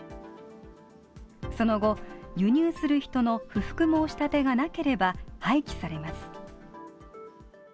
その後、輸入する人の不服申し立てがなければ廃棄されます。